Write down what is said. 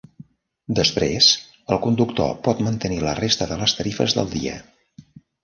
Després el conductor pot mantenir la resta de les tarifes del dia.